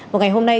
một ngày hôm nay